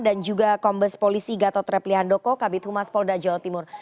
dan juga kombes polisi gatot rep lihan doko kabit humas polda jawa timur